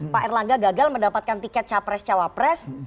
pak erlangga gagal mendapatkan tiket capres cawapres